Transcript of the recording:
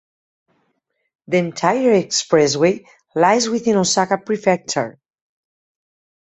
The entire expressway lies within Osaka Prefecture.